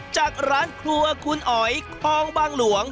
จากร้านครัวคุณอ๋อยคลองบางหลวง